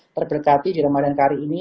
terdekati di ramadan kali ini